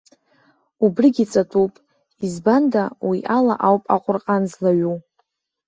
Убригь ҵатәуп, избанда, уи ала ауп аҟәырҟан злаҩу!